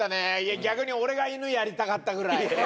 逆に俺が犬やりたかったぐらい。